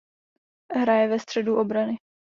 Hraje ve středu obrany.